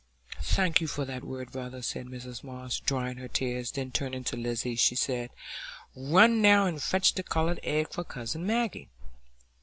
"Thank you for that word, brother," said Mrs Moss, drying her tears; then turning to Lizzy, she said, "Run now, and fetch the coloured egg for cousin Maggie."